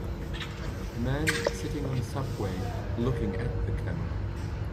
A man sitting on a subway looking at the camera.